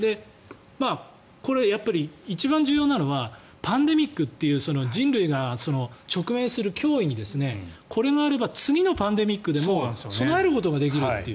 これ、一番重要なのはパンデミックっていう人類が直面する脅威にこれがあれば次のパンデミックでも備えることができるという。